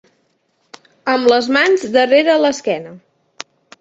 Amb les mans darrere l'esquena.